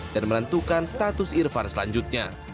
dan merentukan status irfan selanjutnya